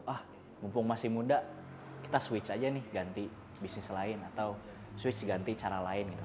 ah mumpung masih muda kita switch aja nih ganti bisnis lain atau switch ganti cara lain gitu